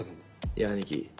いや兄貴